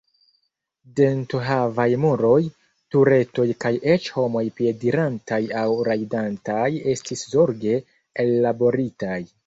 Dentohavaj muroj, turetoj kaj eĉ homoj piedirantaj aŭ rajdantaj estis zorge ellaboritaj.